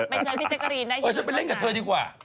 ไปเจอพี่เจ๊ก่อรีนได้ธรรมดาโอ้ยฉันไปเล่นกับเธอดีกว่า